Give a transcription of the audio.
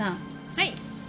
はい。